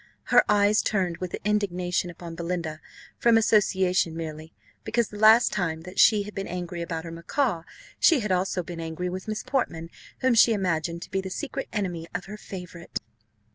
Her eyes turned with indignation upon Belinda, from association merely; because the last time that she had been angry about her macaw, she had also been angry with Miss Portman, whom she imagined to be the secret enemy of her favourite.